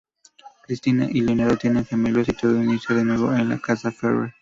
Cristina y Leonardo tienen gemelos y todo inicia de nuevo en la casa Ferrer.